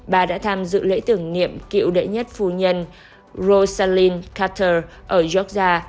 bà đã tham dự lễ tưởng niệm kiểu đệ nhất phu nhân rosalind carter ở georgia